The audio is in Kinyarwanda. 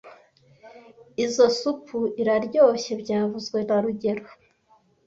Izoi supu iraryoshye byavuzwe na rugero